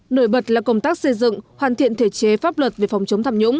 nổi bật là công tác xây dựng hoàn thiện thể chế pháp luật về phòng chống tham nhũng